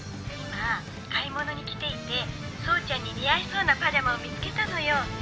今買い物に来ていて奏ちゃんに似合いそうなパジャマを見つけたのよ。